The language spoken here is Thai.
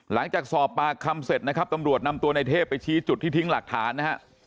หลังจากสอบปากคำเสร็จนะครับตำรวจนำตัวในเทพไปชี้จุดที่ทิ้งหลักฐานนะฮะ